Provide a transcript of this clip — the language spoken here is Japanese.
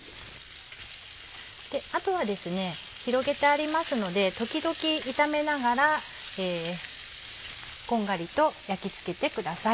あとは広げてありますので時々炒めながらこんがりと焼き付けてください。